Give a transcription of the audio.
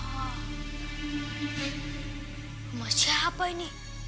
rumah siapa ini